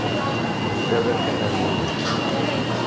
Yettarra kan ar wul-is.